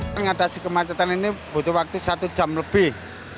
mengatasi kemacetan ini butuh waktu satu jam lebih